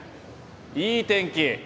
いい天気！